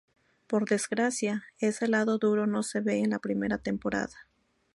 Por desgracia, ese lado duro no se ve en la primera temporada.